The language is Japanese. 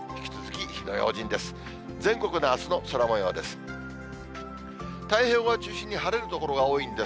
全国のあすの空もようです。